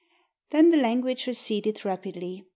Then the language receded rapidly.